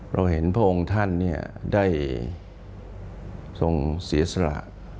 เราเห็นพระองค์ท่านได้ทรงเสียสละ